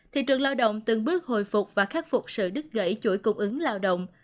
thị trường lao động từng bước hồi phục và khắc phục sự đứt gãy chuỗi cung ứng lao động